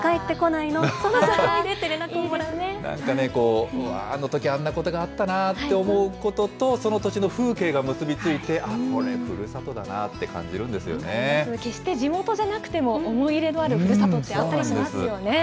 なんかね、あのときあんなことがあったなと思うことと、その年の風景が結び付いて、あっ、これ、ふるさとだなって感じるんで決して地元じゃなくても、思い入れのあるふるさとってあったりしますよね。